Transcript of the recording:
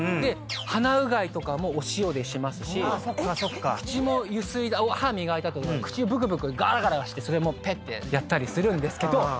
鼻うがいとかもお塩でしますし口もゆすいで歯を磨いた後口ブクブクガラガラしてそれもペッてやったりするんですけど。